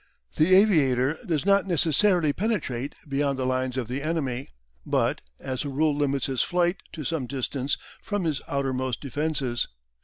The aviator does not necessarily penetrate beyond the lines of the enemy, but, as a rule limits his flight to some distance from his outermost defences.